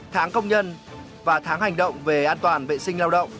tháng công nhân và tháng hành động về an toàn vệ sinh lao động